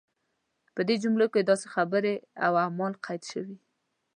په دې جملو کې داسې خبرې او اعمال قید شوي.